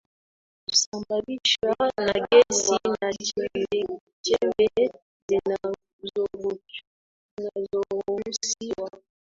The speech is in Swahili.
husababishwa na gesi na chembechembe zinazoruhusiwa